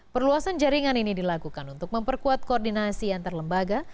perluasan jaringan ini dilakukan untuk memperkuat koordinasi antar lembaga